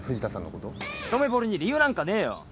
一目ぼれに理由なんかねえよ。